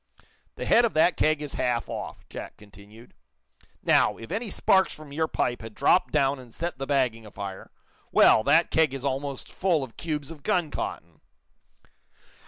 "The head of that keg is half off," Jack continued. "Now, if any sparks from your pipe had dropped down and set the bagging afire well, that keg is almost full of cubes of gun cotton!"